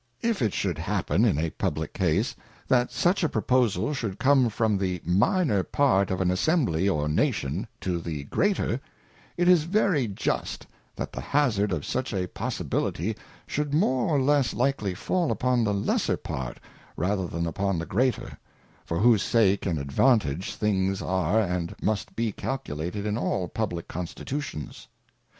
If it should happen in a publick case, that such a proposal should come from the minor part of an Assembly or Nation, to the greater ; It is very just, that the hazard of such a possi bility should more or less likely fall upon the lesser part, rather than upon the greater; for whose sake and advantage things are and must be calculated in all publick Constitutions.